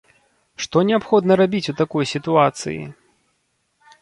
Што неабходна рабіць у такой сітуацыі?